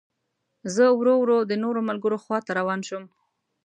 زه ورو ورو د نورو ملګرو خوا ته روان شوم.